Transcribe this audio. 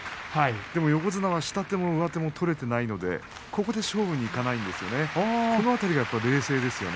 でも横綱は下手も上手も取れていないので、ここで勝負に出ないんですよね。